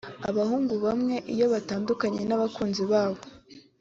Abahungu bamwe iyo batandukanye n’abakunzi babo